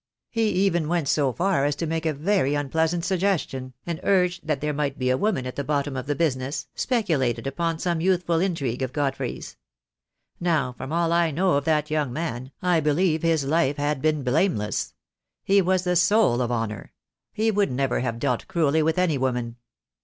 He even went so far as to make a very unpleasant sug gestion, and urged that there might be a woman at the bottom of the business, speculated upon some youthful THE DAY WILL COME. 301 intrigue of Godfrey's. Now, from all I know of that young man, I believe his life had been blameless. He was the soul of honour. He would never have dealt cruelly with any woman."